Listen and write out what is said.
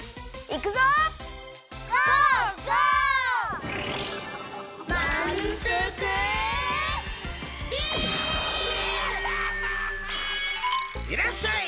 いらっしゃい！